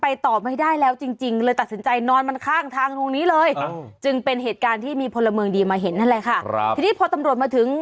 อ้าวจึงเป็นเหตุการณ์ที่มีพลเมืองดีมาเห็นนั่นแหละค่ะครับทีนี้พอตำรวจมาถึง